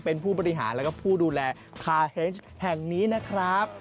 เป็นผู้บริหารแล้วก็ผู้ดูแลคาเฮนส์แห่งนี้นะครับ